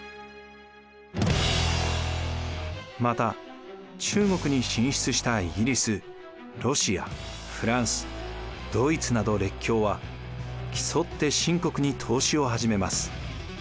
また中国に進出したイギリスロシアフランスドイツなど列強は競って清国に投資を始めます。